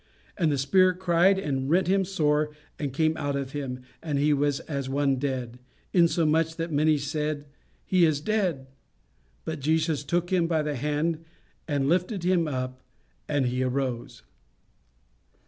And the spirit cried and rent him sore, and came out of him: and he was as one dead; insomuch that many said, He is dead. But Jesus took him by the hand, and lifted him up; and he arose."